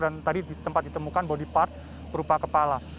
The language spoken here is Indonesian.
dan tadi di tempat ditemukan body part berupa kepala